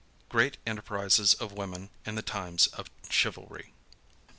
GREAT ENTERPRISES OF WOMEN IN THE TIMES OF CHIVALRY.